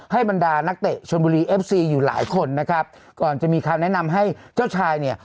บรรดานักเตะชนบุรีเอฟซีอยู่หลายคนนะครับก่อนจะมีคำแนะนำให้เจ้าชายเนี่ย